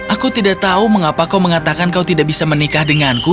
aku tidak tahu mengapa kau mengatakan kau tidak bisa menikah denganku